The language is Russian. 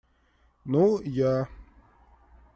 Ну, я.